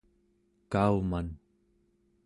kauman